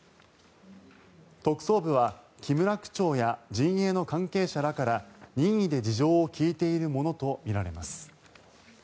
特捜部は木村区長や陣営の関係者らから任意で事情を聴いているものとみられます。